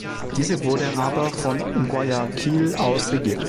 Diese wurde aber von Guayaquil aus regiert.